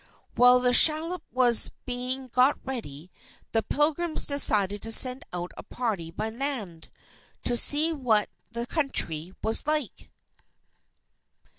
While the shallop was being got ready, the Pilgrims decided to send out a party by land, to see what the country was like.